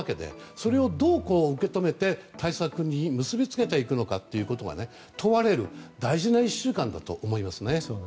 それをどう受け止めて対策に結び付けていくのかが問われる大事な１週間だと思いますね。